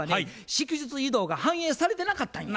祝日移動が反映されてなかったんや。